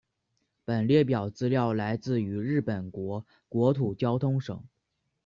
本列表资料来自于日本国国土交通省。